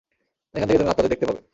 এখান থেকে তুমি আত্মাদের দেখতে পাবে।